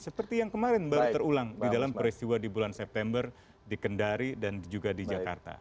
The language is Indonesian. seperti yang kemarin baru terulang di dalam peristiwa di bulan september di kendari dan juga di jakarta